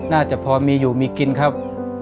น่าจะพอมีอยู่มีกินครับ